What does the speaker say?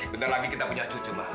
benar lagi kita punya cucu mah